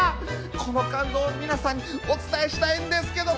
この感動を皆さんにお伝えしたいんですけども。